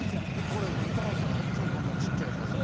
これ板尾さんはいっつもこんなちっちゃいサイズ。